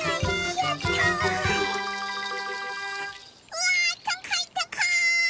うわたかいたかい！